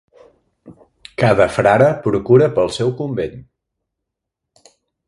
Cada frare procura pel seu convent.